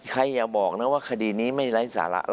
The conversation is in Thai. ใครอย่าบอกนะว่าขดีนี้ไม่ไลซะ